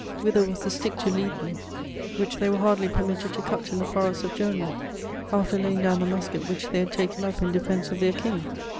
Whither was the stick to lead them which they were hardly permitted to cut in the forests of Germany, after laying down the musket which they had taken up in defense of their King?...